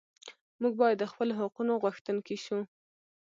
موږ باید د خپلو حقونو غوښتونکي شو.